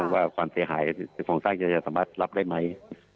ความเสียหายของสร้างจะสามารถรับได้ไหม